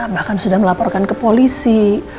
bahkan sudah melaporkan ke polisi